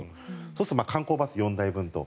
そうすると観光バス４台分と。